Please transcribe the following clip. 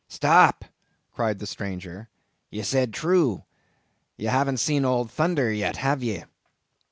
"Stop!" cried the stranger. "Ye said true—ye hav'n't seen Old Thunder yet, have ye?"